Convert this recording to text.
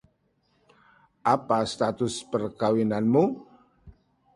Apa status perkawinanmu?